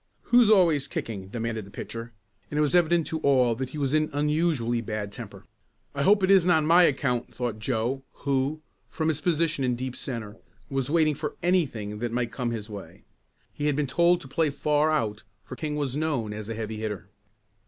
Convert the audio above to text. "Who is always kicking?" demanded the pitcher, and it was evident to all that he was in unusually bad temper. "I hope it isn't on my account," thought Joe who, from his position in deep centre, was waiting for anything that might come his way. He had been told to play far out, for King was known as a heavy hitter.